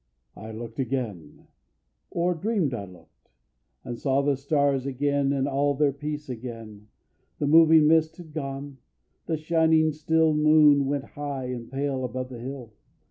I looked again, or dreamed I looked, and saw The stars again and all their peace again. The moving mist had gone, and shining still The moon went high and pale above the hill.